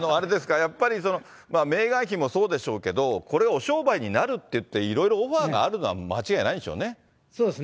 やっぱりメーガン妃もそうでしょうけど、これ、お商売になるっていって、いろいろオファーがあるのは間違いないんでしょうね。